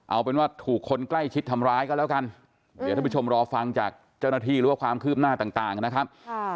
เอาเป็นว่าถูกคนใกล้ชิดทำร้ายก็แล้วกันเดี๋ยวท่านผู้ชมรอฟังจากเจ้าหน้าที่หรือว่าความคืบหน้าต่างนะครับ